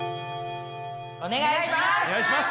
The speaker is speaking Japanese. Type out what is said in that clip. お願いします！